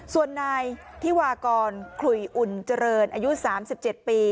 ส่วนนายธิวากรขุยอุ่นเจริญอายุ๓๗ปี